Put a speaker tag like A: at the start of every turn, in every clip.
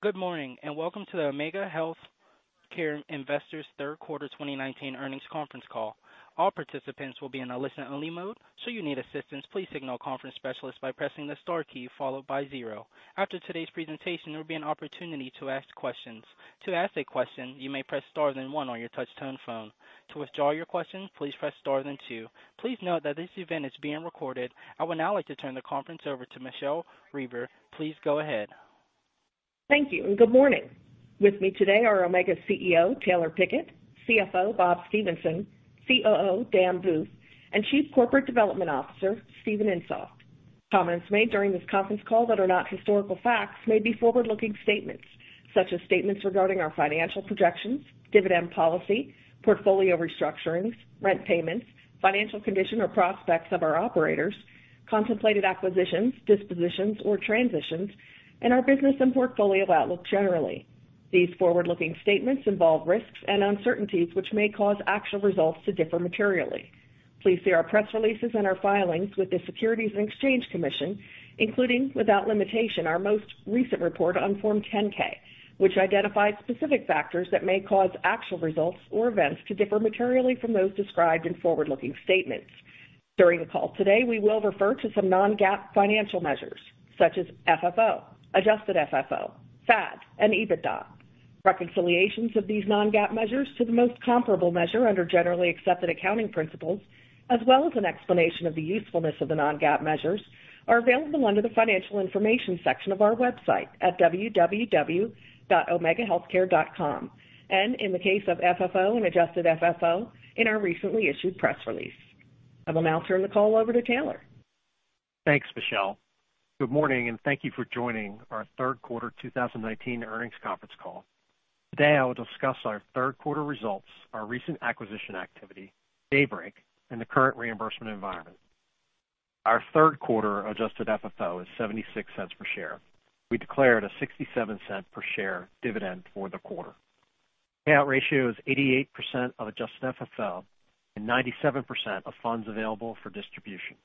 A: Good morning, and welcome to the Omega Healthcare Investors third quarter 2019 earnings conference call. All participants will be in a listen-only mode, so you need assistance, please signal a conference specialist by pressing the star key followed by zero. After today's presentation, there will be an opportunity to ask questions. To ask a question, you may press star then one on your touch-tone phone. To withdraw your question, please press star then two. Please note that this event is being recorded. I would now like to turn the conference over to Michele Reber. Please go ahead.
B: Thank you, and good morning. With me today are Omega CEO, Taylor Pickett, CFO, Bob Stephenson, COO, Dan Vuj, and Chief Corporate Development Officer, Steven Insoft. Comments made during this conference call that are not historical facts may be forward-looking statements, such as statements regarding our financial projections, dividend policy, portfolio restructurings, rent payments, financial condition, or prospects of our operators, contemplated acquisitions, dispositions, or transitions, and our business and portfolio outlook generally. These forward-looking statements involve risks and uncertainties which may cause actual results to differ materially. Please see our press releases and our filings with the Securities and Exchange Commission, including, without limitation, our most recent report on Form 10-K, which identifies specific factors that may cause actual results or events to differ materially from those described in forward-looking statements. During the call today, we will refer to some non-GAAP financial measures, such as FFO, adjusted FFO, FAD, and EBITDA. Reconciliations of these non-GAAP measures to the most comparable measure under generally accepted accounting principles, as well as an explanation of the usefulness of the non-GAAP measures, are available under the Financial Information section of our website at www.omegahealthcare.com, and in the case of FFO and adjusted FFO, in our recently issued press release. I will now turn the call over to Taylor.
C: Thanks, Michele. Good morning. Thank you for joining our third quarter 2019 earnings conference call. Today, I will discuss our third quarter results, our recent acquisition activity, Daybreak, and the current reimbursement environment. Our third quarter adjusted FFO is $0.76 per share. We declared a $0.67 per share dividend for the quarter. Payout ratio is 88% of adjusted FFO and 97% of funds available for distribution.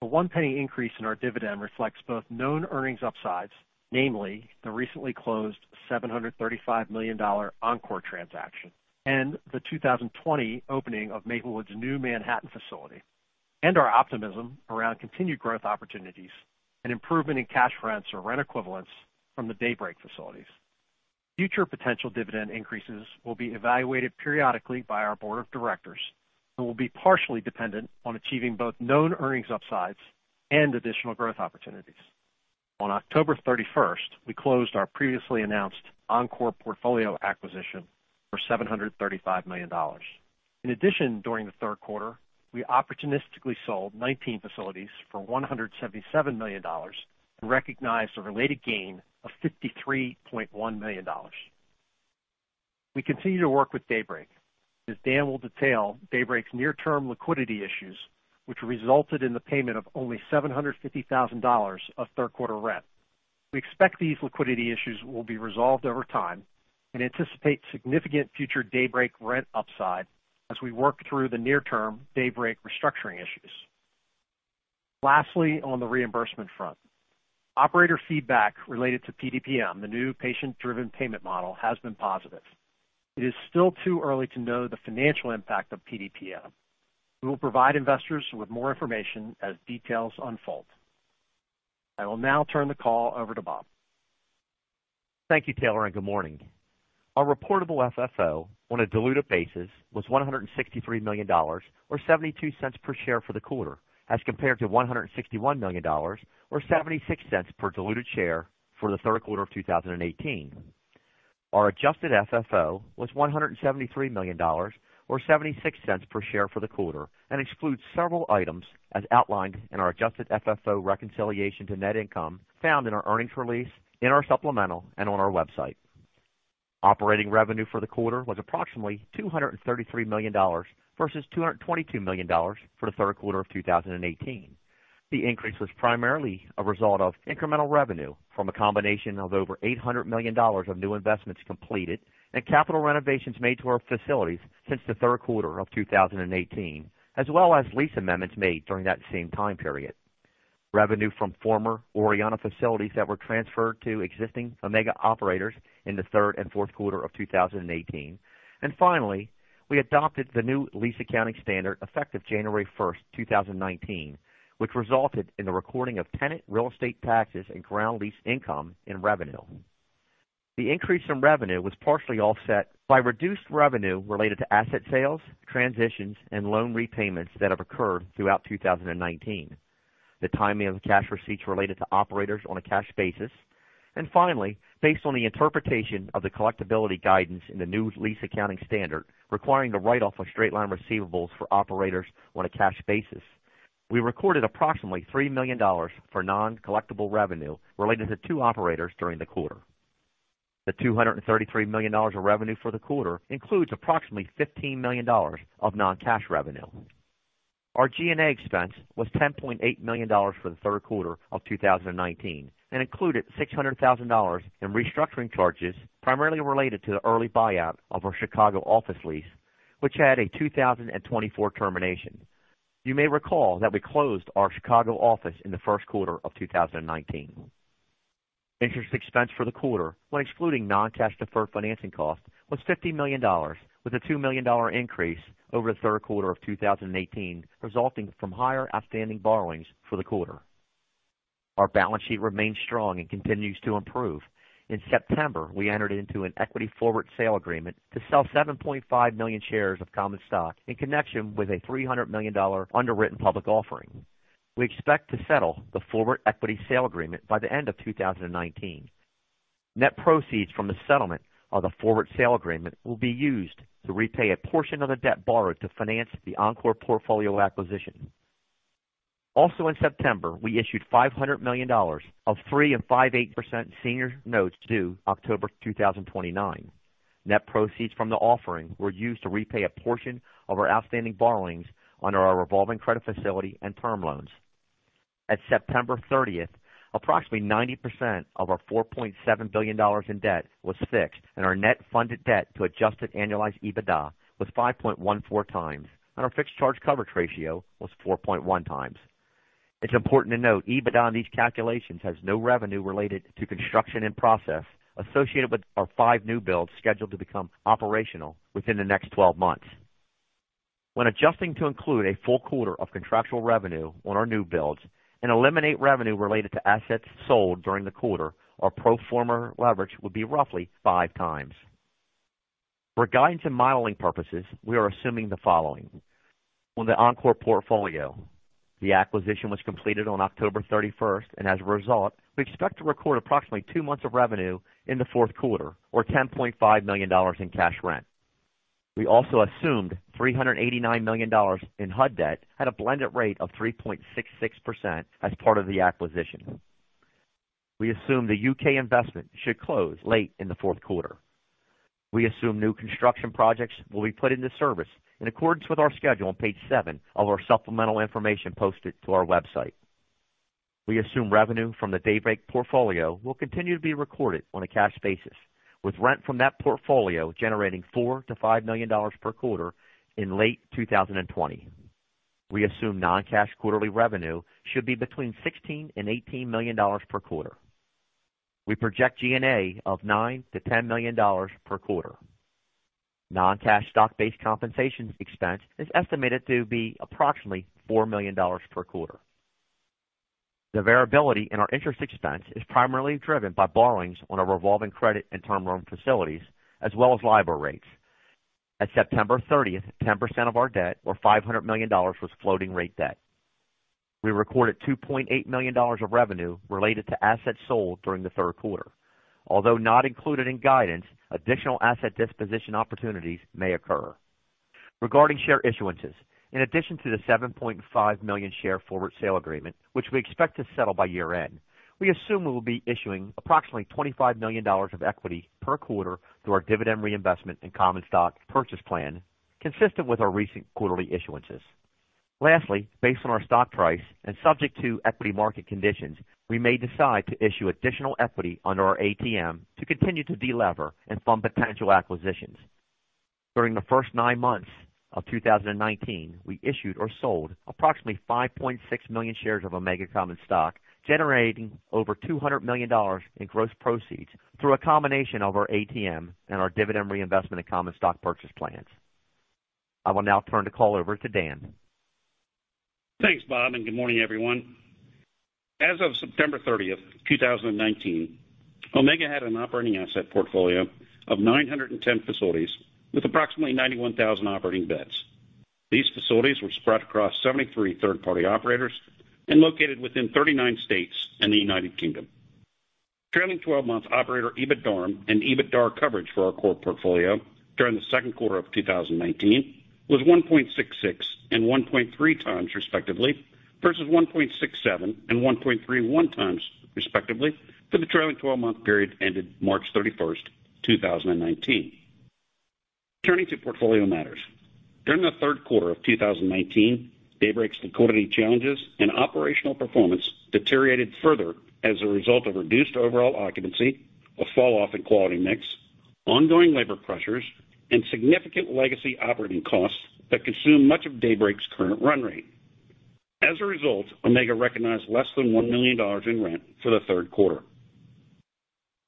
C: The $0.01 increase in our dividend reflects both known earnings upsides, namely the recently closed $735 million Encore transaction and the 2020 opening of Maplewood's new Manhattan facility, and our optimism around continued growth opportunities and improvement in cash rents or rent equivalents from the Daybreak facilities. Future potential dividend increases will be evaluated periodically by our board of directors and will be partially dependent on achieving both known earnings upsides and additional growth opportunities. On October 31st, we closed our previously announced Encore portfolio acquisition for $735 million. In addition, during the third quarter, we opportunistically sold 19 facilities for $177 million and recognized a related gain of $53.1 million. We continue to work with Daybreak. As Dan will detail, Daybreak's near-term liquidity issues, which resulted in the payment of only $750,000 of third quarter rent. We expect these liquidity issues will be resolved over time and anticipate significant future Daybreak rent upside as we work through the near-term Daybreak restructuring issues. Lastly, on the reimbursement front, operator feedback related to PDPM, the new patient-driven payment model, has been positive. It is still too early to know the financial impact of PDPM. We will provide investors with more information as details unfold. I will now turn the call over to Bob.
D: Thank you, Taylor, good morning. Our reportable FFO on a diluted basis was $163 million, or $0.72 per share for the quarter, as compared to $161 million, or $0.76 per diluted share for the third quarter of 2018. Our adjusted FFO was $173 million, or $0.76 per share for the quarter, and excludes several items as outlined in our adjusted FFO reconciliation to net income found in our earnings release, in our supplemental, and on our website. Operating revenue for the quarter was approximately $233 million versus $222 million for the third quarter of 2018. The increase was primarily a result of incremental revenue from a combination of over $800 million of new investments completed and capital renovations made to our facilities since the third quarter of 2018, as well as lease amendments made during that same time period. Revenue from former Orianna facilities that were transferred to existing Omega operators in the third and fourth quarter of 2018. Finally, we adopted the new lease accounting standard effective January 1st, 2019, which resulted in the recording of tenant real estate taxes and ground lease income in revenue. The increase in revenue was partially offset by reduced revenue related to asset sales, transitions, and loan repayments that have occurred throughout 2019, the timing of cash receipts related to operators on a cash basis, and finally, based on the interpretation of the collectibility guidance in the new lease accounting standard requiring the write-off of straight-line receivables for operators on a cash basis. We recorded approximately $3 million for non-collectible revenue related to two operators during the quarter. The $233 million of revenue for the quarter includes approximately $15 million of non-cash revenue. Our G&A expense was $10.8 million for the third quarter of 2019 and included $600,000 in restructuring charges, primarily related to the early buyout of our Chicago office lease, which had a 2024 termination. You may recall that we closed our Chicago office in the first quarter of 2019. Interest expense for the quarter, when excluding non-cash deferred financing cost, was $50 million, with a $2 million increase over the third quarter of 2018, resulting from higher outstanding borrowings for the quarter. Our balance sheet remains strong and continues to improve. In September, we entered into an equity forward sale agreement to sell 7.5 million shares of common stock in connection with a $300 million underwritten public offering. We expect to settle the forward equity sale agreement by the end of 2019. Net proceeds from the settlement of the forward sale agreement will be used to repay a portion of the debt borrowed to finance the Encore portfolio acquisition. In September, we issued $500 million of 3 and 5/8% senior notes due October 2029. Net proceeds from the offering were used to repay a portion of our outstanding borrowings under our revolving credit facility and term loans. At September 30th, approximately 90% of our $4.7 billion in debt was fixed and our net funded debt to adjusted annualized EBITDA was 5.14 times, and our fixed charge coverage ratio was 4.1 times. It's important to note EBITDA in these calculations has no revenue related to construction in process associated with our five new builds scheduled to become operational within the next 12 months. When adjusting to include a full quarter of contractual revenue on our new builds and eliminate revenue related to assets sold during the quarter, our pro forma leverage would be roughly five times. For guidance and modeling purposes, we are assuming the following. On the Encore portfolio, the acquisition was completed on October 31st. As a result, we expect to record approximately two months of revenue in the fourth quarter or $10.5 million in cash rent. We also assumed $389 million in HUD debt at a blended rate of 3.66% as part of the acquisition. We assume the U.K. investment should close late in the fourth quarter. We assume new construction projects will be put into service in accordance with our schedule on page seven of our supplemental information posted to our website. We assume revenue from the Daybreak portfolio will continue to be recorded on a cash basis, with rent from that portfolio generating $4 million-$5 million per quarter in late 2020. We assume non-cash quarterly revenue should be between $16 million-$18 million per quarter. We project G&A of $9 million-$10 million per quarter. Non-cash stock-based compensation expense is estimated to be approximately $4 million per quarter. The variability in our interest expense is primarily driven by borrowings on our revolving credit and term loan facilities, as well as LIBOR rates. At September 30th, 10% of our debt, or $500 million, was floating rate debt. We recorded $2.8 million of revenue related to assets sold during the third quarter. Although not included in guidance, additional asset disposition opportunities may occur. Regarding share issuances, in addition to the 7.5 million share forward sale agreement, which we expect to settle by year-end, we assume we will be issuing approximately $25 million of equity per quarter through our dividend reinvestment and common stock purchase plan, consistent with our recent quarterly issuances. Lastly, based on our stock price and subject to equity market conditions, we may decide to issue additional equity under our ATM to continue to de-lever and fund potential acquisitions. During the first nine months of 2019, we issued or sold approximately 5.6 million shares of Omega common stock, generating over $200 million in gross proceeds through a combination of our ATM and our dividend reinvestment and common stock purchase plans. I will now turn the call over to Dan.
E: Thanks, Bob. Good morning, everyone. As of September 30th, 2019, Omega had an operating asset portfolio of 910 facilities with approximately 91,000 operating beds. These facilities were spread across 73 third-party operators and located within 39 states and the United Kingdom. Trailing 12-month operator EBITDARM and EBITDAR coverage for our core portfolio during the second quarter of 2019 was 1.66 and 1.3 times respectively versus 1.67 and 1.31 times respectively for the trailing 12-month period ended March 31st, 2019. Turning to portfolio matters. During the third quarter of 2019, Daybreak's liquidity challenges and operational performance deteriorated further as a result of reduced overall occupancy, a fall off in quality mix, ongoing labor pressures, and significant legacy operating costs that consume much of Daybreak's current run rate. As a result, Omega recognized less than $1 million in rent for the third quarter.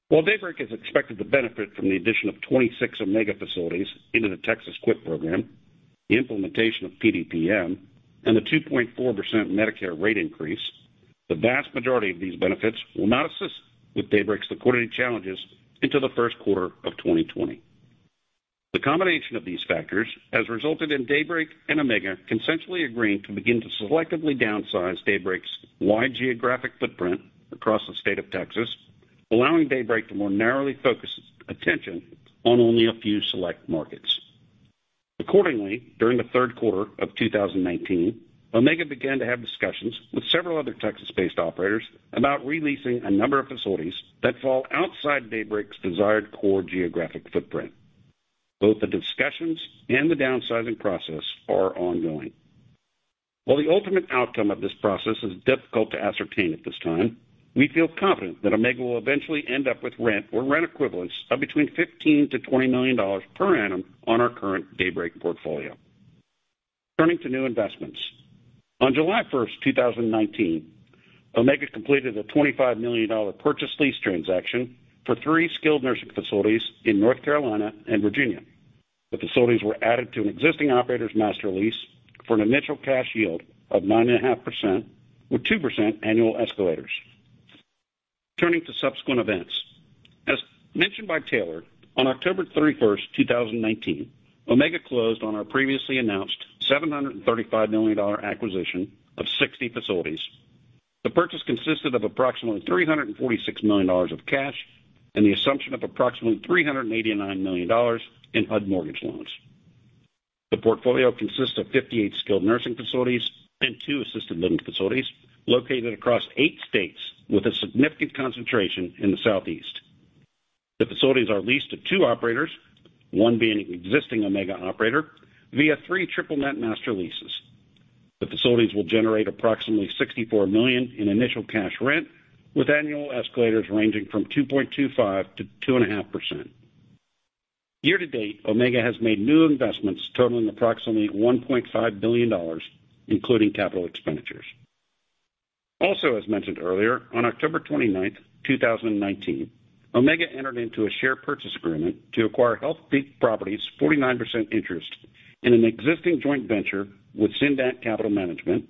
E: While Daybreak is expected to benefit from the addition of 26 Omega facilities into the Texas QIPP program, the implementation of PDPM, and the 2.4% Medicare rate increase, the vast majority of these benefits will not assist with Daybreak's liquidity challenges into the first quarter of 2020. The combination of these factors has resulted in Daybreak and Omega consensually agreeing to begin to selectively downsize Daybreak's wide geographic footprint across the state of Texas, allowing Daybreak to more narrowly focus its attention on only a few select markets. Accordingly, during the third quarter of 2019, Omega began to have discussions with several other Texas-based operators about re-leasing a number of facilities that fall outside Daybreak's desired core geographic footprint. Both the discussions and the downsizing process are ongoing. While the ultimate outcome of this process is difficult to ascertain at this time. We feel confident that Omega will eventually end up with rent or rent equivalents of between $15 million-$20 million per annum on our current Daybreak portfolio. Turning to new investments. On July 1st, 2019, Omega completed a $25 million purchase lease transaction for three skilled nursing facilities in North Carolina and Virginia. The facilities were added to an existing operator's master lease for an initial cash yield of 9.5% with 2% annual escalators. Turning to subsequent events. As mentioned by Taylor, on October 31st, 2019, Omega closed on our previously announced $735 million acquisition of 60 facilities. The purchase consisted of approximately $346 million of cash and the assumption of approximately $389 million in HUD mortgage loans. The portfolio consists of 58 skilled nursing facilities and two assisted living facilities located across eight states with a significant concentration in the Southeast. The facilities are leased to two operators, one being an existing Omega operator, via three triple net master leases. The facilities will generate approximately $64 million in initial cash rent, with annual escalators ranging from 2.25%-2.5%. Year to date, Omega has made new investments totaling approximately $1.5 billion, including capital expenditures. Also, as mentioned earlier, on October 29th, 2019, Omega entered into a share purchase agreement to acquire Healthpeak Properties' 49% interest in an existing joint venture with Cindat Capital Management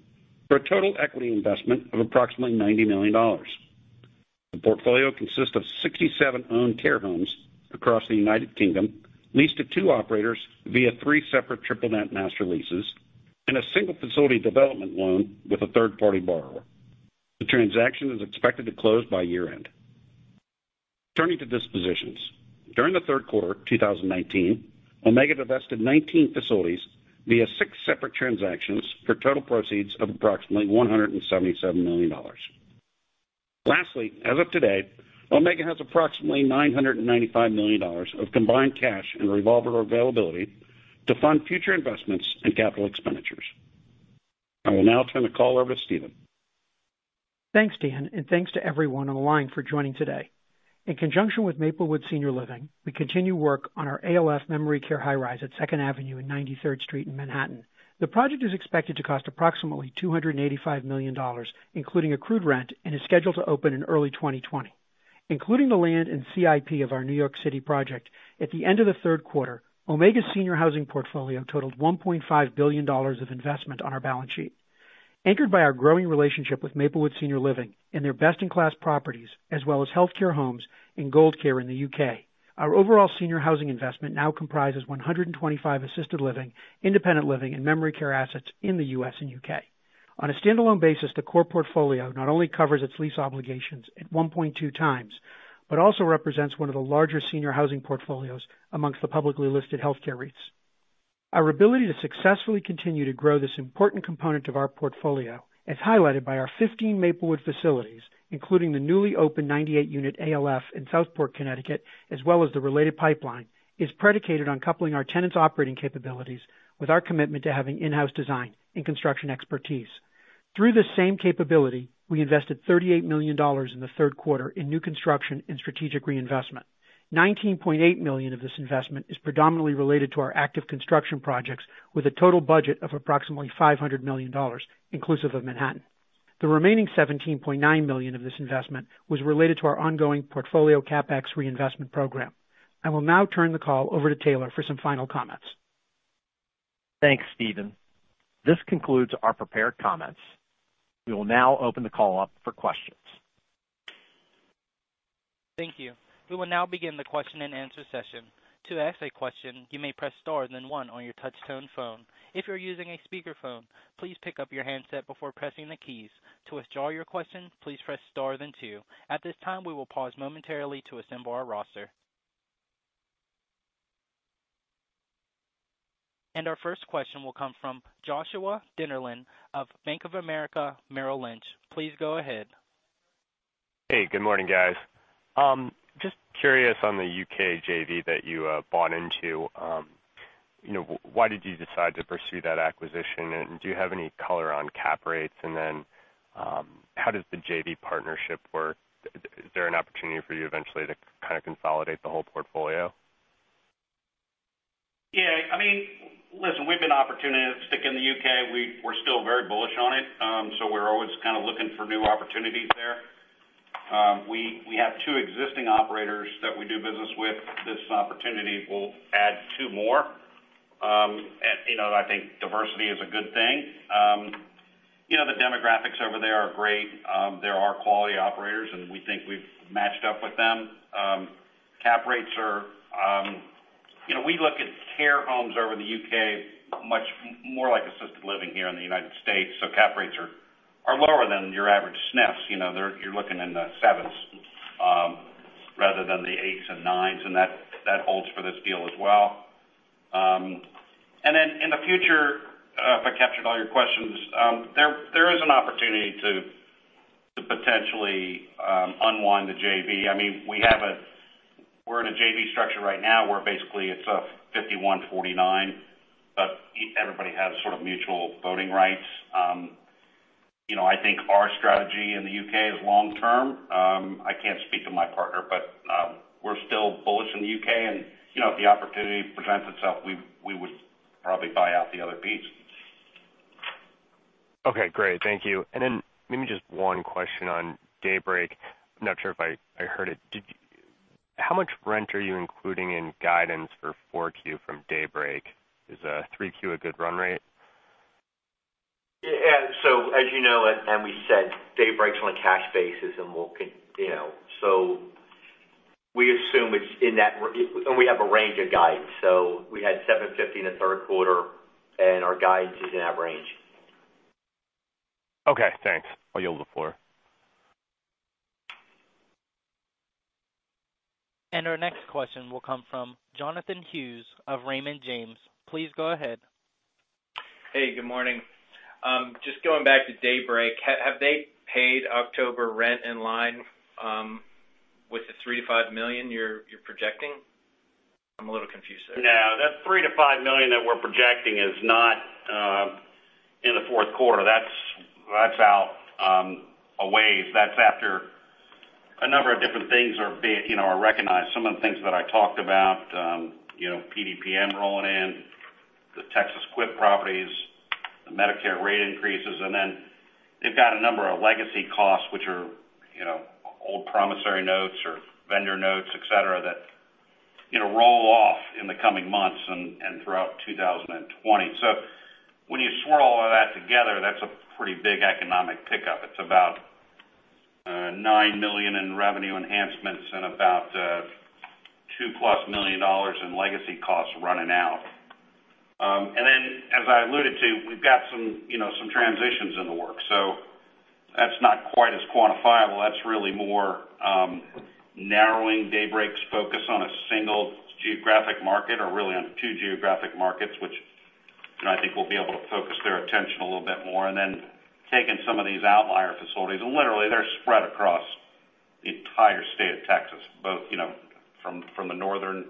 E: for a total equity investment of approximately $90 million. The portfolio consists of 67 owned care homes across the U.K., leased to two operators via three separate triple net master leases and a single facility development loan with a third-party borrower. The transaction is expected to close by year-end. Turning to dispositions. During the third quarter 2019, Omega divested 19 facilities via six separate transactions for total proceeds of approximately $177 million. Lastly, as of today, Omega has approximately $995 million of combined cash and revolver availability to fund future investments and capital expenditures. I will now turn the call over to Steven.
F: Thanks, Dan, and thanks to everyone on the line for joining today. In conjunction with Maplewood Senior Living, we continue work on our ALF memory care high rise at 2nd Avenue and 93rd Street in Manhattan. The project is expected to cost approximately $285 million, including accrued rent, and is scheduled to open in early 2020. Including the land and CIP of our New York City project, at the end of the third quarter, Omega's senior housing portfolio totaled $1.5 billion of investment on our balance sheet. Anchored by our growing relationship with Maplewood Senior Living and their best-in-class properties, as well as Healthcare Homes and Gold Care in the U.K., our overall senior housing investment now comprises 125 assisted living, independent living and memory care assets in the U.S. and U.K. On a standalone basis, the core portfolio not only covers its lease obligations at 1.2 times, but also represents one of the larger senior housing portfolios amongst the publicly listed healthcare REITs. Our ability to successfully continue to grow this important component of our portfolio, as highlighted by our 15 Maplewood facilities, including the newly opened 98-unit ALF in Southport, Connecticut, as well as the related pipeline, is predicated on coupling our tenants' operating capabilities with our commitment to having in-house design and construction expertise. Through this same capability, we invested $38 million in the third quarter in new construction and strategic reinvestment. $19.8 million of this investment is predominantly related to our active construction projects, with a total budget of approximately $500 million, inclusive of Manhattan. The remaining $17.9 million of this investment was related to our ongoing portfolio CapEx reinvestment program. I will now turn the call over to Taylor for some final comments.
C: Thanks, Steven. This concludes our prepared comments. We will now open the call up for questions.
A: Thank you. We will now begin the question and answer session. To ask a question, you may press star and then one on your touchtone phone. If you're using a speakerphone, please pick up your handset before pressing the keys. To withdraw your question, please press star then two. At this time, we will pause momentarily to assemble our roster. Our first question will come from Joshua Dennerlein of Bank of America Merrill Lynch. Please go ahead.
G: Hey, good morning, guys. Just curious on the U.K. JV that you bought into. Why did you decide to pursue that acquisition, and do you have any color on cap rates? How does the JV partnership work? Is there an opportunity for you eventually to kind of consolidate the whole portfolio?
E: Yeah. Listen, we've been opportunistic in the U.K. We're still very bullish on it, we're always kind of looking for new opportunities there. We have two existing operators that we do business with. This opportunity will add two more. I think diversity is a good thing. The demographics over there are great. There are quality operators, and we think we've matched up with them. Cap rates are. We look at care homes over in the U.K. much more like assisted living here in the U.S. Cap rates are lower than your average SNFs. You're looking in the 7s, rather than the 8s and 9s, That holds for this deal as well. In the future, if I captured all your questions, there is an opportunity to potentially unwind the JV. We're in a JV structure right now where basically it's a 51/49, but everybody has sort of mutual voting rights. I think our strategy in the U.K. is long-term. I can't speak to my partner, but we're still bullish in the U.K. and, if the opportunity presents itself, we would probably buy out the other piece.
G: Okay, great. Thank you. Maybe just one question on Daybreak. I'm not sure if I heard it. How much rent are you including in guidance for 4Q from Daybreak? Is 3Q a good run rate?
E: Yeah. As you know, and we said, Daybreak's on a cash basis, and we have a range of guidance. We had $750 in the third quarter, and our guidance is in that range.
G: Okay, thanks. I yield the floor.
A: Our next question will come from Jonathan Hughes of Raymond James. Please go ahead.
H: Hey, good morning. Just going back to Daybreak, have they paid October rent in line with the $3 million-$5 million you're projecting? I'm a little confused there.
E: That $3 million-$5 million that we're projecting is not in the fourth quarter. That's out a ways. That's after a number of different things are recognized. Some of the things that I talked about, PDPM rolling in, the Texas QIPP properties, the Medicare rate increases, and then they've got a number of legacy costs, which are old promissory notes or vendor notes, et cetera, that roll off in the coming months and throughout 2020. When you swirl all of that together, that's a pretty big economic pickup. It's about $9 million in revenue enhancements and about $2+ million in legacy costs running out. As I alluded to, we've got some transitions in the works. That's not quite as quantifiable. That's really more narrowing Daybreak's focus on a single geographic market, or really on 2 geographic markets, which I think we'll be able to focus their attention a little bit more. Then taking some of these outlier facilities. Literally they're spread across the entire state of Texas, both from the northern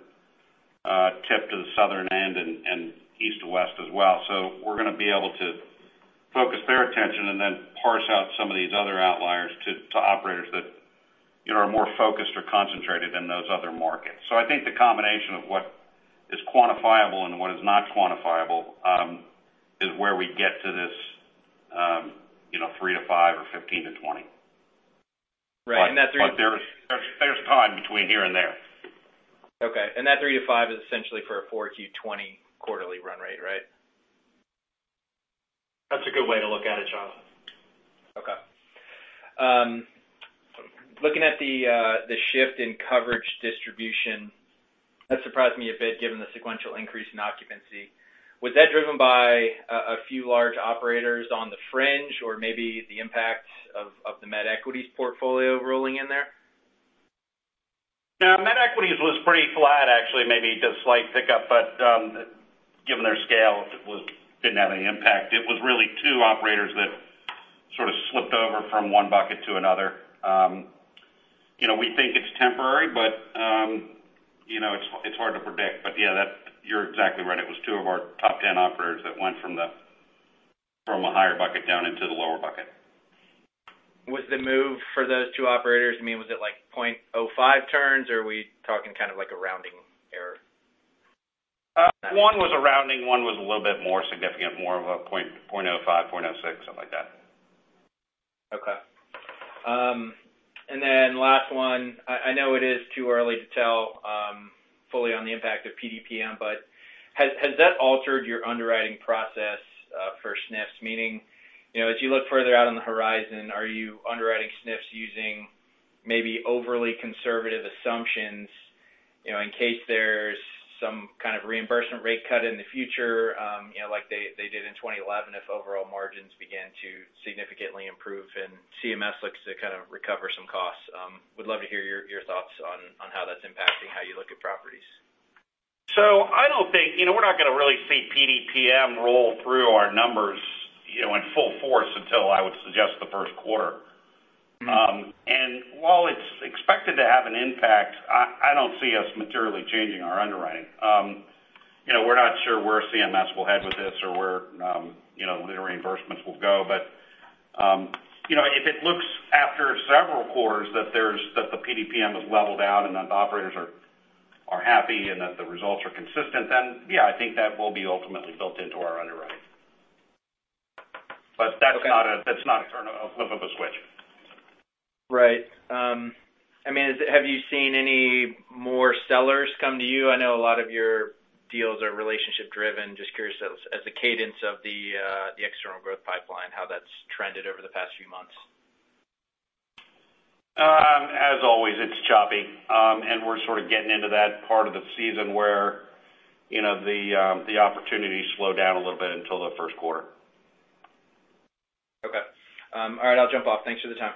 E: tip to the southern end and east to west as well. We're going to be able to focus their attention and then parse out some of these other outliers to operators that are more focused or concentrated in those other markets. I think the combination of what is quantifiable and what is not quantifiable is where we get to this 3-5 or 15-20.
H: Right.
E: There's time between here and there.
H: Okay. That three to five is essentially for a 4Q20 quarterly run rate, right?
E: That's a good way to look at it, Jonathan.
H: Looking at the shift in coverage distribution, that surprised me a bit given the sequential increase in occupancy. Was that driven by a few large operators on the fringe or maybe the impact of the MedEquities portfolio rolling in there?
E: No, MedEquities was pretty flat, actually, maybe just slight pickup, but given their scale, it didn't have any impact. It was really two operators that sort of slipped over from one bucket to another. We think it's temporary, but it's hard to predict. Yeah, you're exactly right. It was two of our top 10 operators that went from a higher bucket down into the lower bucket.
H: Was the move for those two operators, was it like 0.05 turns, or are we talking kind of like a rounding error?
E: One was a rounding, one was a little bit more significant, more of a 0.05, 0.06, something like that.
H: Okay. Last one, I know it is too early to tell fully on the impact of PDPM, has that altered your underwriting process for SNFs? Meaning, as you look further out on the horizon, are you underwriting SNFs using maybe overly conservative assumptions, in case there is some kind of reimbursement rate cut in the future, like they did in 2011 if overall margins begin to significantly improve and CMS looks to kind of recover some costs? Would love to hear your thoughts on how that is impacting how you look at properties.
E: We're not going to really see PDPM roll through our numbers in full force until, I would suggest, the first quarter. While it's expected to have an impact, I don't see us materially changing our underwriting. We're not sure where CMS will head with this or where the reimbursements will go. If it looks after several quarters that the PDPM has leveled out and that the operators are happy and that the results are consistent, then yeah, I think that will be ultimately built into our underwriting. That's not a flip of a switch.
H: Right. Have you seen any more sellers come to you? I know a lot of your deals are relationship-driven. Just curious as the cadence of the external growth pipeline, how that's trended over the past few months.
E: As always, it's choppy. We're sort of getting into that part of the season where the opportunities slow down a little bit until the first quarter.
H: Okay. All right, I'll jump off. Thanks for the time.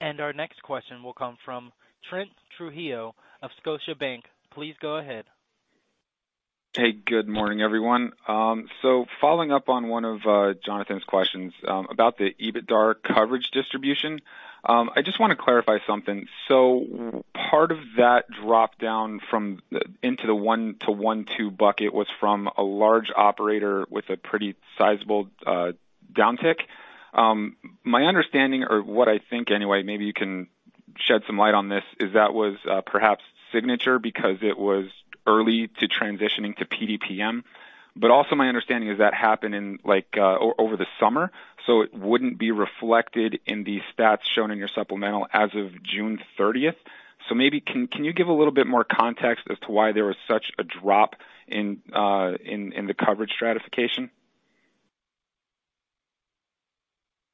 A: Our next question will come from Trent Trujillo of Scotiabank. Please go ahead.
I: Hey, good morning, everyone. Following up on one of Jonathan's questions about the EBITDA coverage distribution. I just want to clarify something. Part of that drop-down into the 1-1.2 bucket was from a large operator with a pretty sizable downtick. My understanding, or what I think anyway, maybe you can shed some light on this, is that was perhaps Signature because it was early to transitioning to PDPM, but also my understanding is that happened over the summer, so it wouldn't be reflected in the stats shown in your supplemental as of June 30th. Maybe can you give a little bit more context as to why there was such a drop in the coverage stratification?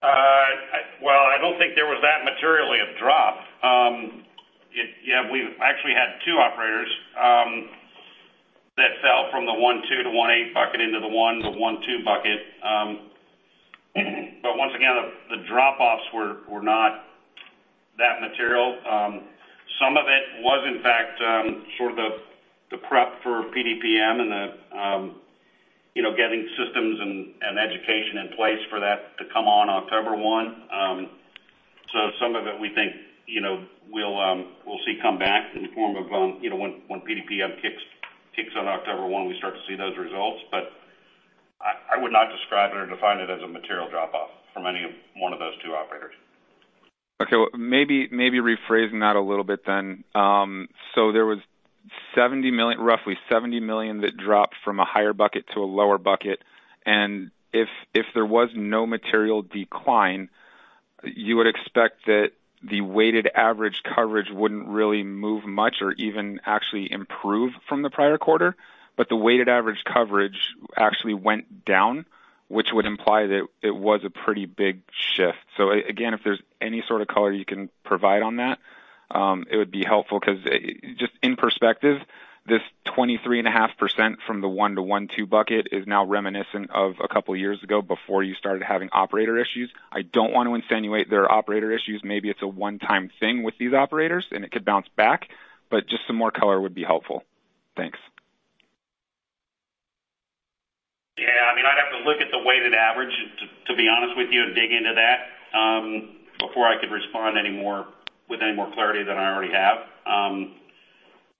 E: I don't think there was that materially a drop. We actually had two operators that fell from the 1-2 to 1-8 bucket into the 1 to 1-2 bucket. Once again, the drop-offs were not that material. Some of it was in fact sort of the prep for PDPM and getting systems and education in place for that to come on October one. Some of it we think we'll see come back in the form of when PDPM kicks on October one, we start to see those results. I would not describe it or define it as a material drop-off from any one of those two operators.
I: Okay. Well, maybe rephrasing that a little bit then. There was roughly $70 million that dropped from a higher bucket to a lower bucket. If there was no material decline, you would expect that the weighted average coverage wouldn't really move much or even actually improve from the prior quarter. The weighted average coverage actually went down, which would imply that it was a pretty big shift. Again, if there's any sort of color you can provide on that, it would be helpful because just in perspective, this 23.5% from the one to one-two bucket is now reminiscent of a couple of years ago before you started having operator issues. I don't want to insinuate there are operator issues. Maybe it's a one-time thing with these operators, and it could bounce back, but just some more color would be helpful. Thanks.
E: Yeah, I'd have to look at the weighted average, to be honest with you, and dig into that, before I could respond with any more clarity than I already have.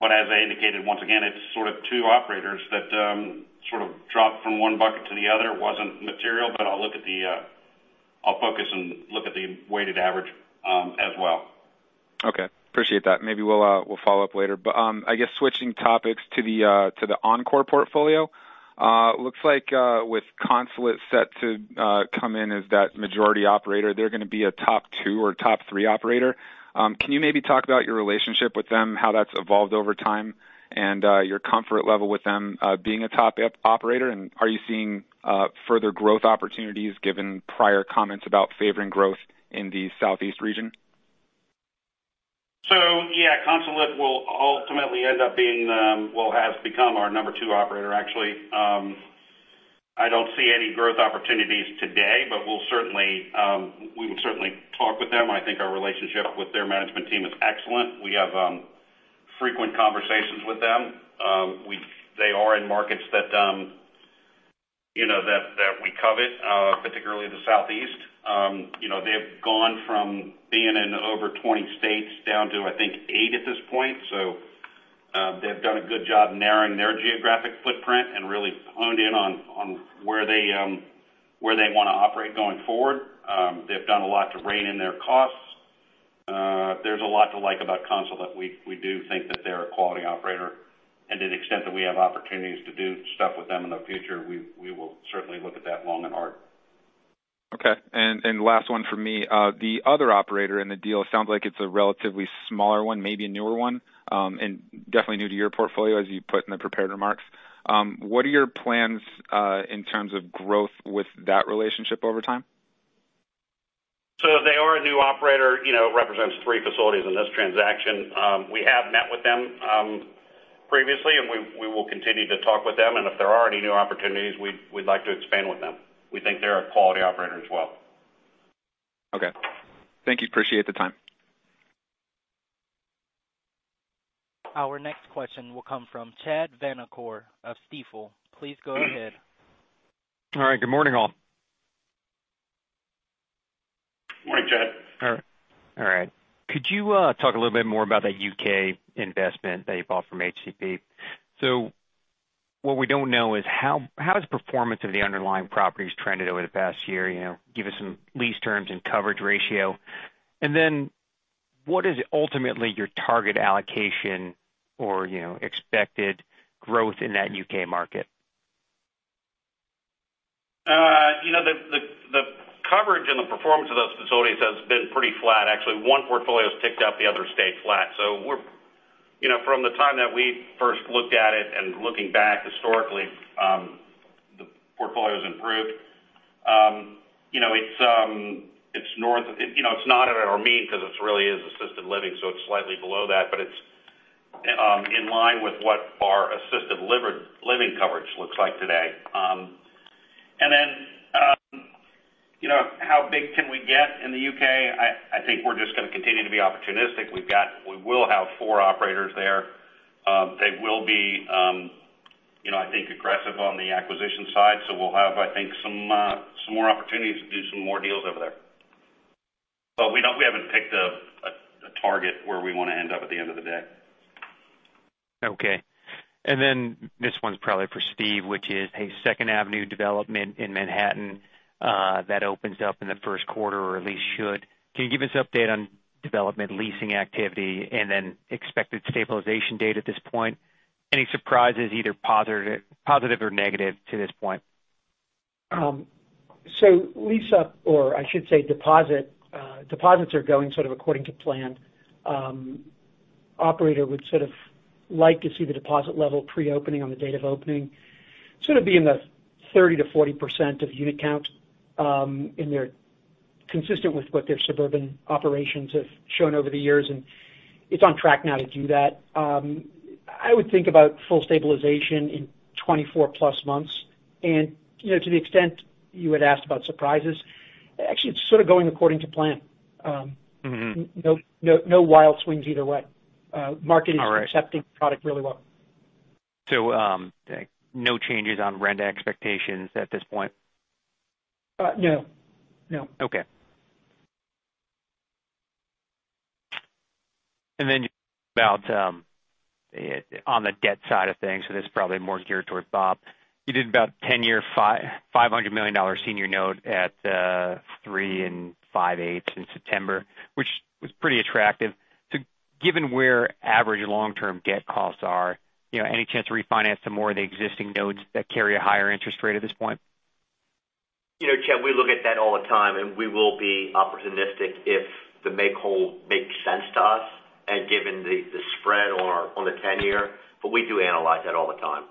E: As I indicated, once again, it's sort of two operators that sort of dropped from one bucket to the other. Wasn't material, I'll focus and look at the weighted average as well.
I: Okay. Appreciate that. Maybe we'll follow up later. I guess switching topics to the Encore portfolio. Looks like with Consulate set to come in as that majority operator, they're going to be a top two or top three operator. Can you maybe talk about your relationship with them, how that's evolved over time, and your comfort level with them being a top operator, and are you seeing further growth opportunities given prior comments about favoring growth in the Southeast region?
E: Consulate has become our number 2 operator, actually. I don't see any growth opportunities today, but we would certainly talk with them, and I think our relationship with their management team is excellent. We have frequent conversations with them. They are in markets that we covet, particularly the Southeast. They've gone from being in over 20 states down to, I think, eight at this point. They've done a good job narrowing their geographic footprint and really honed in on where they want to operate going forward. They've done a lot to rein in their costs. There's a lot to like about Consulate. We do think that they're a quality operator, and to the extent that we have opportunities to do stuff with them in the future, we will certainly look at that long and hard.
I: Okay. Last one from me. The other operator in the deal, it sounds like it's a relatively smaller one, maybe a newer one, and definitely new to your portfolio, as you put in the prepared remarks. What are your plans in terms of growth with that relationship over time?
E: They are a new operator, represents three facilities in this transaction. We have met with them previously, and we will continue to talk with them, and if there are any new opportunities, we'd like to expand with them. We think they're a quality operator as well.
I: Okay. Thank you. Appreciate the time.
A: Our next question will come from Chad Vanacore of Stifel. Please go ahead.
J: All right. Good morning, all.
E: Morning, Chad.
J: All right. Could you talk a little bit more about that U.K. investment that you bought from HCP? What we don't know is how has performance of the underlying properties trended over the past year? Give us some lease terms and coverage ratio. What is ultimately your target allocation or expected growth in that U.K. market?
E: The coverage and the performance of those facilities has been pretty flat. Actually, one portfolio has ticked up, the other stayed flat. From the time that we first looked at it and looking back historically, the portfolio's improved. It's not at our mean because it really is assisted living, so it's slightly below that, but it's in line with what our assisted living coverage looks like today.
C: How big can we get in the U.K.? I think we're just going to continue to be opportunistic. We will have four operators there. They will be, I think, aggressive on the acquisition side. We'll have, I think, some more opportunities to do some more deals over there. We haven't picked a target where we want to end up at the end of the day.
J: Okay. Then this one's probably for Steven, which is, hey, Second Avenue Development in Manhattan, that opens up in the first quarter or at least should. Can you give us an update on development leasing activity and then expected stabilization date at this point? Any surprises, either positive or negative to this point?
F: Lease up, or I should say deposits are going sort of according to plan. Operator would sort of like to see the deposit level pre-opening on the date of opening, sort of be in the 30%-40% of unit count, and they're consistent with what their suburban operations have shown over the years, and it's on track now to do that. I would think about full stabilization in 24 plus months. To the extent you had asked about surprises, actually, it's sort of going according to plan. No wild swings either way.
J: All right.
F: Market is accepting product really well.
J: No changes on rent expectations at this point?
F: No.
J: Okay. About on the debt side of things, this is probably more geared toward Bob. You did about 10-year $500 million senior note at 3.625% in September, which was pretty attractive. Given where average long-term debt costs are, any chance to refinance some more of the existing notes that carry a higher interest rate at this point?
C: You know, Chad, we look at that all the time, and we will be opportunistic if the make whole makes sense to us and given the spread on the 10-year. We do analyze that all the time.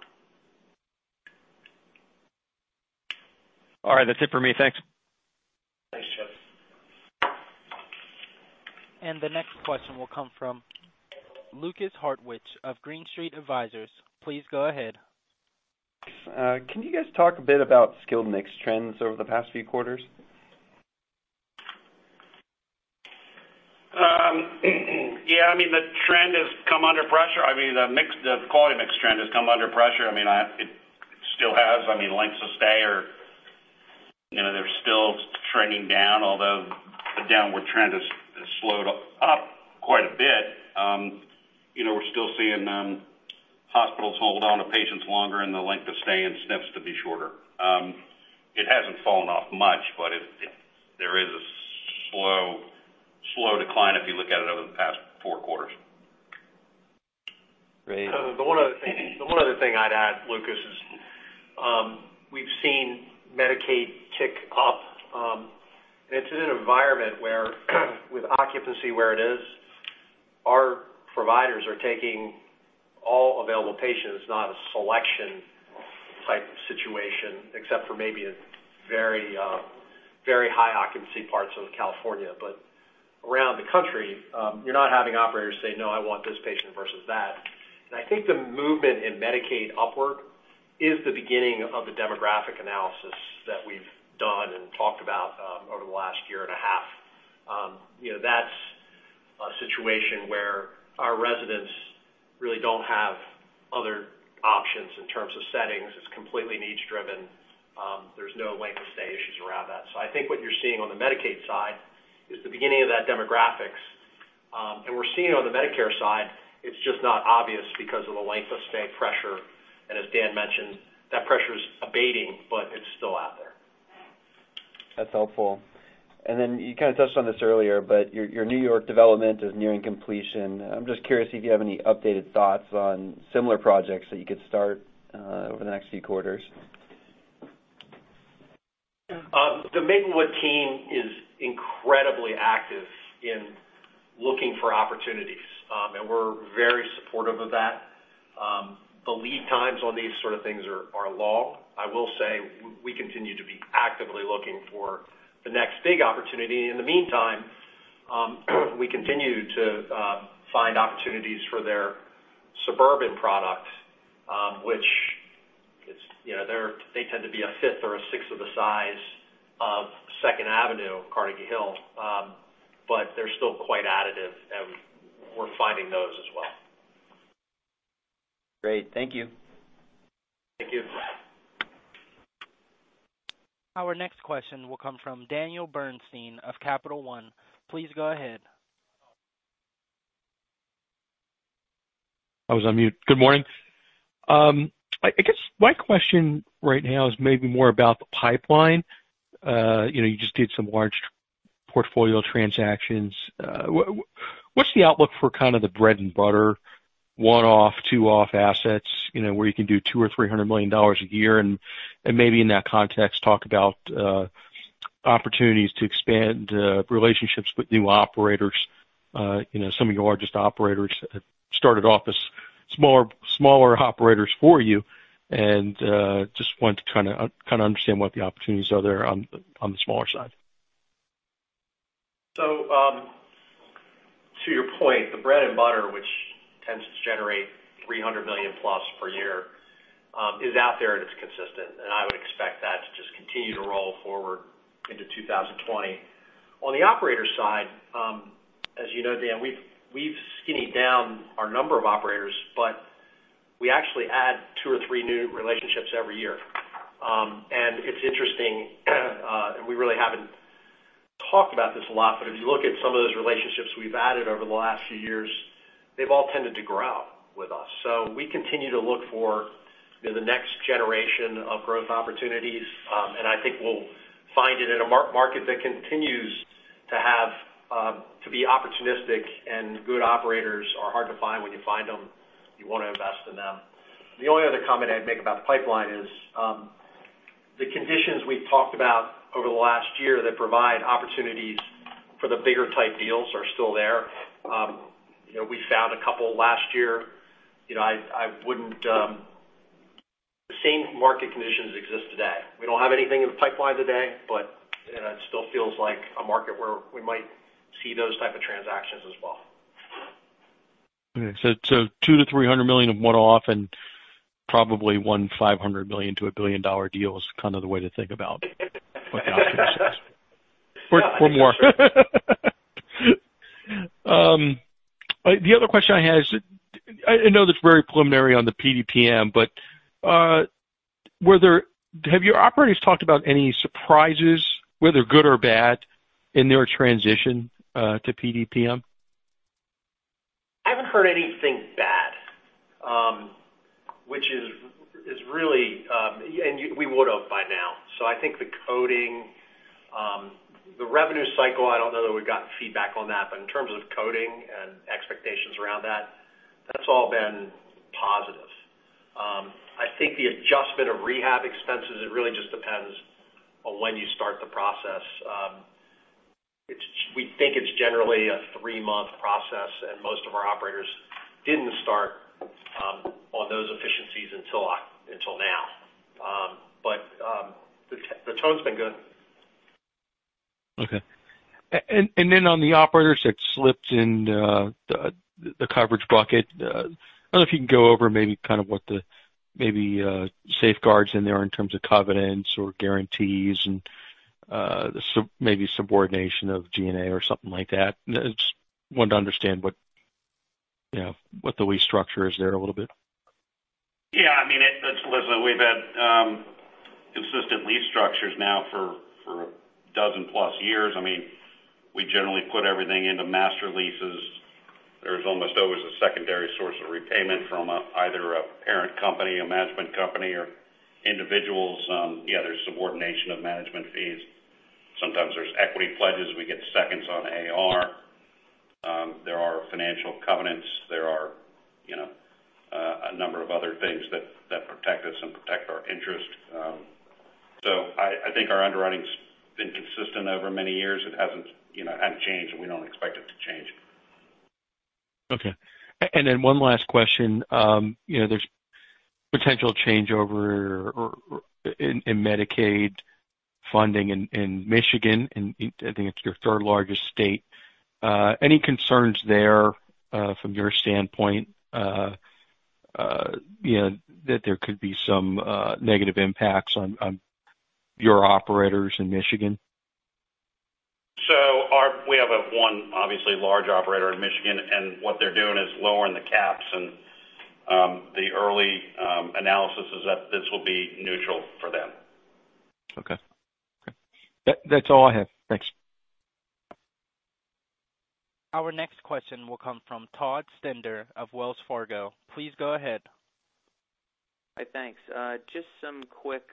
J: All right. That's it for me. Thanks.
C: Thanks, Chad.
A: The next question will come from Lukas Hartwich of Green Street Advisors. Please go ahead.
K: Can you guys talk a bit about skilled mix trends over the past few quarters?
C: Yeah. The quality mix trend has come under pressure. It still has. Lengths of stay are still trending down, although the downward trend has slowed up quite a bit. We're still seeing hospitals hold onto patients longer and the length of stay in SNFs to be shorter. It hasn't fallen off much, but there is a slow decline if you look at it over the past four quarters.
K: Great.
C: The one other thing I'd add, Lukas, is we've seen Medicaid tick up. It's in an environment where with occupancy where it is, our providers are taking all available patients, not a selection type situation, except for maybe in very high occupancy parts of California. Around the country, you're not having operators say, "No, I want this patient versus that." I think the movement in Medicaid upward is the beginning of the demographic analysis that we've done and talked about over the last year and a half. That's a situation where our residents really don't have other options in terms of settings. It's completely niche driven. There's no length of stay issues around that. I think what you're seeing on the Medicaid side is the beginning of that demographics. We're seeing it on the Medicare side, it's just not obvious because of the length of stay pressure. As Dan mentioned, that pressure's abating, but it's still out there.
K: That's helpful. Then you kind of touched on this earlier, but your New York development is nearing completion. I'm just curious if you have any updated thoughts on similar projects that you could start over the next few quarters.
C: The Maplewood team is incredibly active in looking for opportunities, and we're very supportive of that. The lead times on these sort of things are long. I will say, we continue to be actively looking for the next big opportunity. In the meantime, we continue to find opportunities for their suburban product, which they tend to be a fifth or a sixth of the size of Second Avenue, Carnegie Hill, but they're still quite additive, and we're finding those as well.
K: Great. Thank you.
C: Thank you.
A: Our next question will come from Daniel Bernstein of Capital One. Please go ahead.
L: I was on mute. Good morning. I guess my question right now is maybe more about the pipeline. You just did some large portfolio transactions. What's the outlook for kind of the bread and butter one-off, two-off assets where you can do $200 or $300 million a year, and maybe in that context, talk about opportunities to expand relationships with new operators. Some of your largest operators started off as smaller operators for you, and just wanted to kind of understand what the opportunities are there on the smaller side.
C: To your point, the bread and butter, which tends to generate $300 million plus per year, is out there and it's consistent. I would expect that to just continue to roll forward into 2020. On the operator side, as you know, Dan, we've skinnied down our number of operators, but we actually add two or three new relationships every year. It's interesting, and we really haven't talked about this a lot, but if you look at some of those relationships we've added over the last few years, they've all tended to grow with us. We continue to look for the next generation of growth opportunities, and I think we'll find it in a market that continues to be opportunistic and good operators are hard to find. When you find them, you want to invest in them. The only other comment I'd make about the pipeline is, the conditions we've talked about over the last year that provide opportunities for the bigger type deals are still there. We found a couple last year. The same market conditions exist today. We don't have anything in the pipeline today, but it still feels like a market where we might see those type of transactions as well.
L: Okay, $200 million-$300 million of one-off and probably one $500 million-$1 billion deal is kind of the way to think about. The other question I had is, I know that's very preliminary on the PDPM, but have your operators talked about any surprises, whether good or bad, in their transition to PDPM?
C: I haven't heard anything bad, and we would've by now. I think the revenue cycle, I don't know that we've gotten feedback on that, but in terms of coding and expectations around that's all been positive. I think the adjustment of rehab expenses, it really just depends on when you start the process. We think it's generally a three-month process, and most of our operators didn't start on those efficiencies until now. The tone's been good.
L: Okay. On the operators that slipped in the coverage bucket, I don't know if you can go over maybe kind of what the safeguards in there are in terms of covenants or guarantees and maybe subordination of G&A or something like that. I just wanted to understand what the lease structure is there a little bit.
E: Yeah. Listen, we've had consistent lease structures now for a dozen plus years. We generally put everything into master leases. There's almost always a secondary source of repayment from either a parent company, a management company, or individuals. Yeah, there's subordination of management fees. Sometimes there's equity pledges. We get seconds on AR. There are financial covenants. There are a number of other things that protect us and protect our interest. I think our underwriting's been consistent over many years. It hadn't changed, and we don't expect it to change.
L: Okay. One last question. There's potential changeover in Medicaid funding in Michigan, and I think it's your third largest state. Any concerns there, from your standpoint, that there could be some negative impacts on your operators in Michigan?
E: We have one obviously large operator in Michigan, and what they're doing is lowering the caps, and the early analysis is that this will be neutral for them.
L: Okay. That's all I have. Thanks.
A: Our next question will come from Todd Stender of Wells Fargo. Please go ahead.
M: Hi. Thanks. Just some quick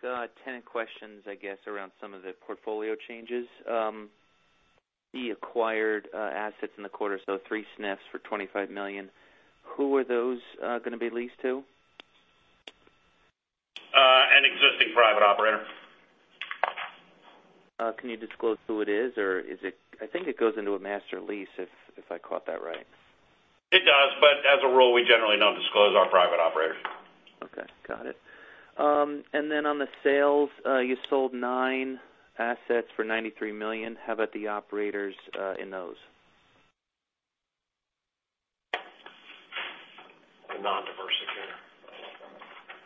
M: tenant questions, I guess, around some of the portfolio changes. The acquired assets in the quarter, so 3 SNFs for $25 million. Who are those gonna be leased to?
E: An existing private operator.
M: Can you disclose who it is? I think it goes into a master lease, if I caught that right.
C: It does, but as a rule, we generally don't disclose our private operators.
M: Okay. Got it. On the sales, you sold nine assets for $93 million. How about the operators in those?
E: They're non-diversifier.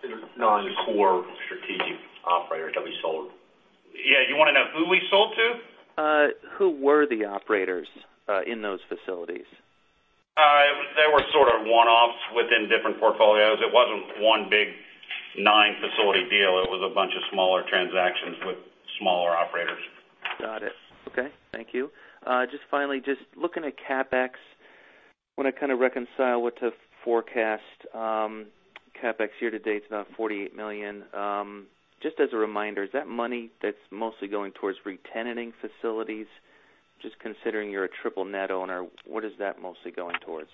C: They're non-
E: Non-core strategic operators that we sold.
C: Yeah. You want to know who we sold to?
M: Who were the operators in those facilities?
C: They were sort of one-offs within different portfolios. It wasn't one big nine-facility deal. It was a bunch of smaller transactions with smaller operators.
M: Got it. Okay. Thank you. Finally, just looking at CapEx, want to kind of reconcile what the forecast CapEx year to date, it's about $48 million. As a reminder, is that money that's mostly going towards re-tenanting facilities? Considering you're a triple net owner, what is that mostly going towards?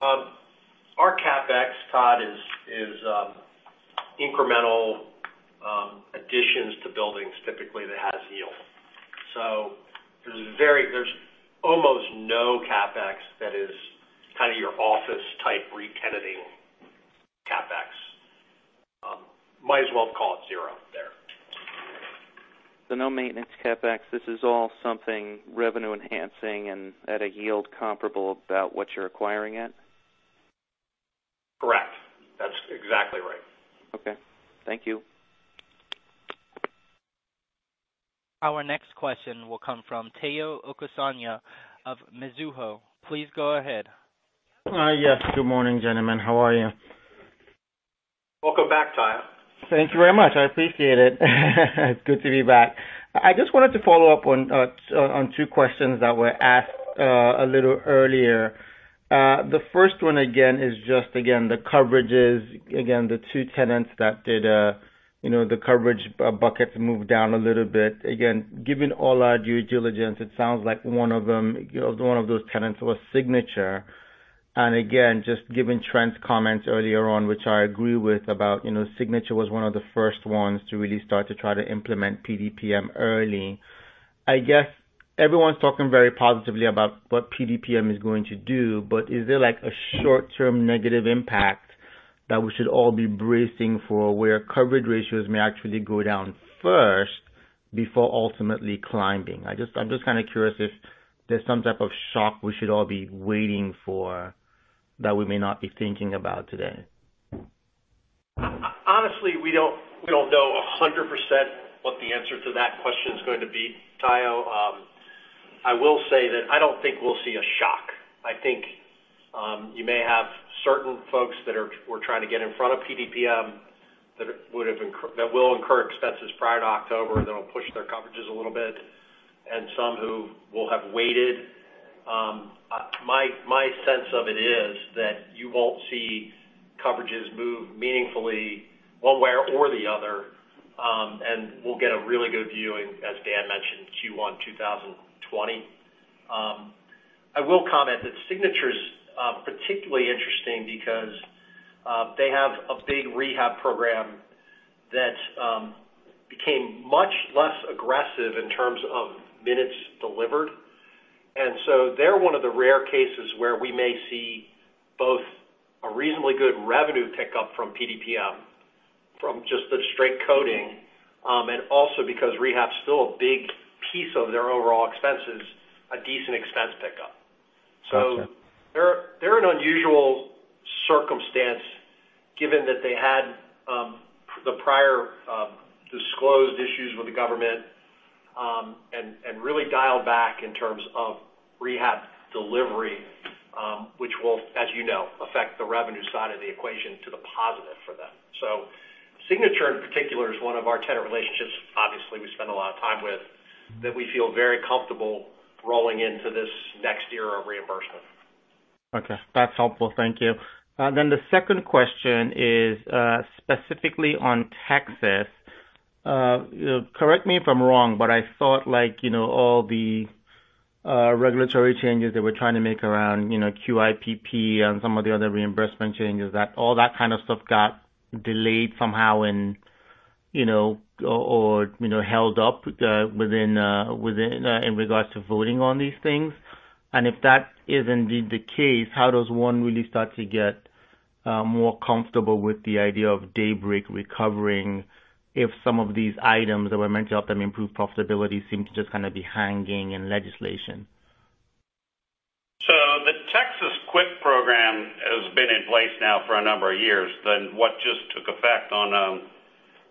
C: Our CapEx, Todd, is incremental additions to buildings, typically that has yield. There's almost no CapEx that is kind of your office type re-tenanting. Might as well call it zero there.
M: No maintenance CapEx. This is all something revenue enhancing and at a yield comparable about what you're acquiring it?
C: Correct. That's exactly right.
M: Okay. Thank you.
A: Our next question will come from Tayo Okusanya of Mizuho. Please go ahead.
N: Yes. Good morning, gentlemen. How are you?
C: Welcome back, Tayo.
N: Thank you very much. I appreciate it. It's good to be back. I just wanted to follow up on two questions that were asked a little earlier. The first one, again, is just the coverages. The two tenants that did the coverage buckets moved down a little bit. Again, given all our due diligence, it sounds like one of those tenants was Signature. Again, just given Trent's comments earlier on, which I agree with, about Signature was one of the first ones to really start to try to implement PDPM early. I guess everyone's talking very positively about what PDPM is going to do, but is there a short-term negative impact that we should all be bracing for, where coverage ratios may actually go down first before ultimately climbing? I'm just curious if there's some type of shock we should all be waiting for that we may not be thinking about today.
C: Honestly, we don't know 100% what the answer to that question is going to be, Tayo. I will say that I don't think we'll see a shock. I think you may have certain folks that were trying to get in front of PDPM that will incur expenses prior to October that'll push their coverages a little bit, and some who will have waited. My sense of it is that you won't see coverages move meaningfully one way or the other, and we'll get a really good view in, as Dan mentioned, Q1 2020. I will comment that Signature's particularly interesting because they have a big rehab program that became much less aggressive in terms of minutes delivered. They're one of the rare cases where we may see both a reasonably good revenue pickup from PDPM, from just the straight coding, and also because rehab's still a big piece of their overall expenses, a decent expense pickup.
N: Got you.
C: They're an unusual circumstance given that they had the prior disclosed issues with the government and really dialed back in terms of rehab delivery which will, as you know, affect the revenue side of the equation to the positive for them. Signature in particular is one of our tenant relationships obviously we spend a lot of time with that we feel very comfortable rolling into this next era of reimbursement.
N: Okay. That's helpful. Thank you. The second question is specifically on Texas. Correct me if I'm wrong, I thought all the regulatory changes they were trying to make around QIPP and some of the other reimbursement changes, that all that kind of stuff got delayed somehow and, or held up in regards to voting on these things. If that is indeed the case, how does one really start to get more comfortable with the idea of Daybreak recovering if some of these items that were meant to help them improve profitability seem to just be hanging in legislation?
C: The Texas QIPP program has been in place now for a number of years. What just took effect on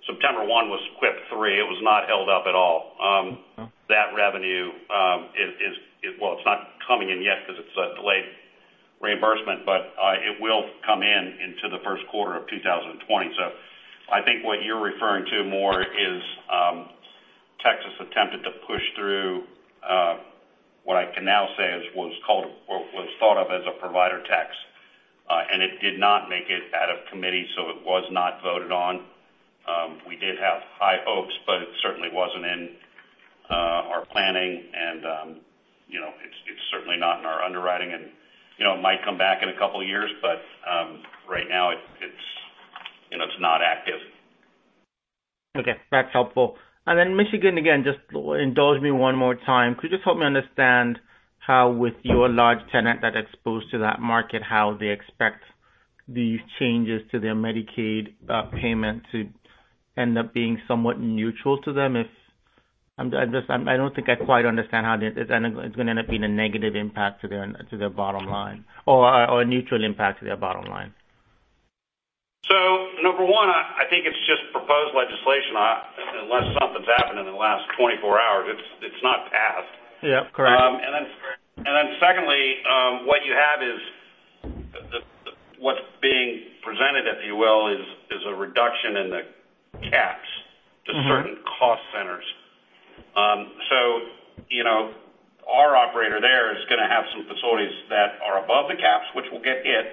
C: September 1 was QIPP III. It was not held up at all.
N: Okay.
C: That revenue, well, it's not coming in yet because it's a delayed reimbursement, but it will come in into the first quarter of 2020. I think what you're referring to more is Texas attempted to push through what I can now say was thought of as a provider tax. It did not make it out of committee, so it was not voted on. We did have high hopes, but it certainly wasn't in our planning and it's certainly not in our underwriting. It might come back in a couple of years, but right now it's not active.
N: Okay, that's helpful. Michigan again, just indulge me one more time. Could you just help me understand how with your large tenant that exposed to that market, how they expect these changes to their Medicaid payment to end up being somewhat neutral to them if I don't think I quite understand how it's going to end up being a negative impact to their bottom line or a neutral impact to their bottom line.
C: Number one, I think it's just proposed legislation. Unless something's happened in the last 24 hours, it's not passed.
N: Yeah, correct.
C: Secondly, what you have is what's being presented, if you will, is a reduction in the caps. To certain cost centers. Our operator there is going to have some facilities that are above the caps, which will get hit,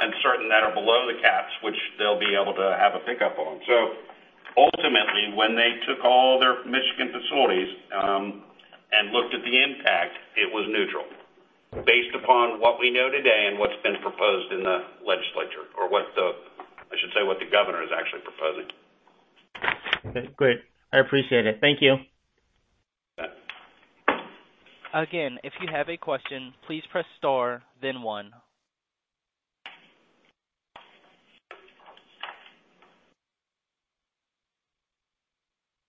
C: and certain that are below the caps, which they'll be able to have a pickup on. Ultimately, when they took all their Michigan facilities and looked at the impact, it was neutral based upon what we know today and what's been proposed in the legislature or I should say, what the governor is actually proposing.
N: Okay, great. I appreciate it. Thank you.
C: You bet.
A: Again, if you have a question, please press star then one.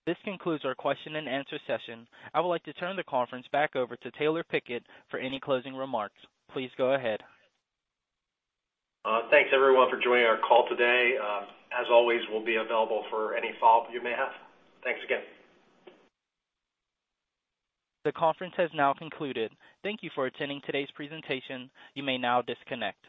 A: This concludes our question and answer session. I would like to turn the conference back over to Taylor Pickett for any closing remarks. Please go ahead.
C: Thanks everyone for joining our call today. As always, we'll be available for any follow-up you may have. Thanks again.
A: The conference has now concluded. Thank you for attending today's presentation. You may now disconnect.